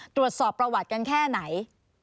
ตรวจสอบประวัติกันแค่ไหน